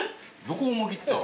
どこ思い切った？